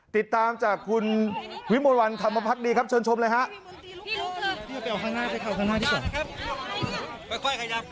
ติดตามจากคุณวิมลวันธรรมพักดีครับเชิญชมเลยครับ